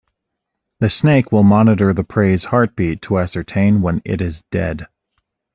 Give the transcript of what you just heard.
The snake will monitor the prey's heartbeat to ascertain when it is dead.